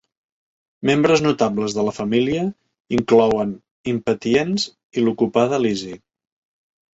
Membres notables de la família inclouen impatiens i l'ocupada Lizzie.